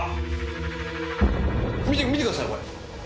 見て見てくださいよこれ！